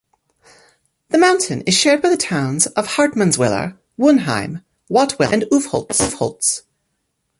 The mountain is shared by the towns of Hartmannswiller, Wuenheim, Wattwiller and Uffholtz.